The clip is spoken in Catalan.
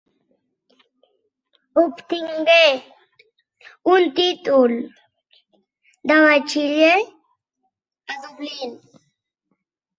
Obtingué un títol de batxiller a Dublín.